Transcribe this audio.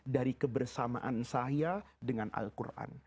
dari kebersamaan saya dengan al quran